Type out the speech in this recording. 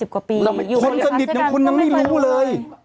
คนสนิทคนนั้นไม่รู้เลย